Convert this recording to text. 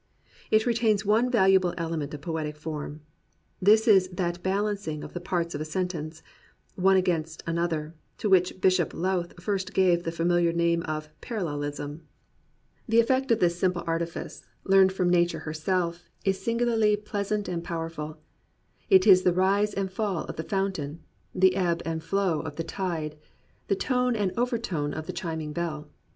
It retains one valuable element of poetic form. This is that balancing of the parts of a sentence, one against another, to which Bishop Lowth first gave the familiar name of "paralleKsm."* The effect of * Lowth, De Sacra Poesi Hehrceorum Praelectiones. Oxon., 1753. 41 COMPANIONABLE BOOKS this simple artifice, learned from Nature herself, is singularly pleasant and powerful. It is the rise and fall of the fountain, the ebb and flow of the tide, the tone and overtone of the chiming bell.